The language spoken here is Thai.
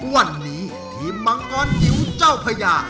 วันนี้ทีมมังอ่อนหยิวเจ้าพระยา